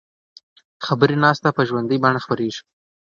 خبري ناسته په ژوندۍ بڼه خپریږي.